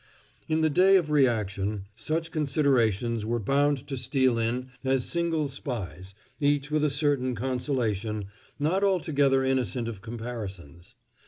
In the day of reaction, such considerations were bound to steal in as single spies, each with a certain consolation, not altogether innocent of comparisons.